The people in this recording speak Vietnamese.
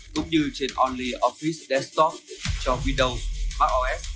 cũng như trên only office desktop cho windows mac os